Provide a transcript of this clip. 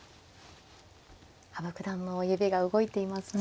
羽生九段の指が動いていますね。